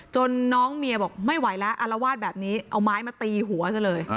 น้องเมียบอกไม่ไหวแล้วอารวาสแบบนี้เอาไม้มาตีหัวซะเลย